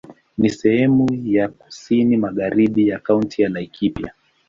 Ni sehemu ya kusini magharibi ya Kaunti ya Laikipia.